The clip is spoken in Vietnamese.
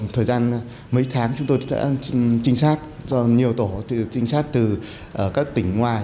thời gian mấy tháng chúng tôi đã trinh sát do nhiều tổ trinh sát từ các tỉnh ngoài